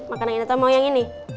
makan yang ini atau mau yang ini